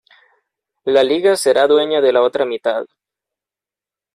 La liga será dueña de la otra mitad.